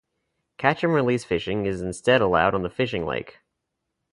Catch and release fishing is instead allowed on the Fishing Lake.